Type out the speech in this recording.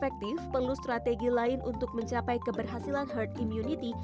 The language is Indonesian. efektif perlu strategi lain untuk mencapai keberhasilan herd immunity